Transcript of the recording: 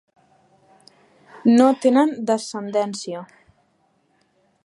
No tenen descendència.